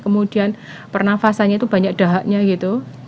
kemudian pernafasannya itu banyak dahaknya gitu